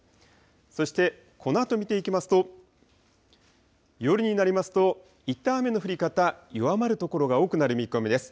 そしてこのあと見ていきますと、夜になりますと、いったん雨の降り方、弱まる所が多くなる見込みです。